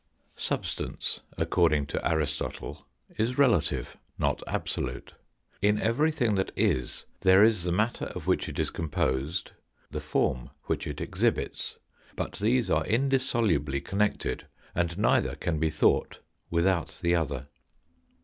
Substance according to Aristotle is relative, not absolute. In everything that is there is the matter of which it is composed, the form which it exhibits ; but these are indissolubly connected, and neither can be thought without the other.